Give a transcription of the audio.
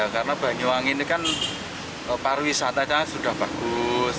karena banyuwangi ini kan pariwisatanya sudah bagus